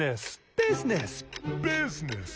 ビジネスだよビジネス。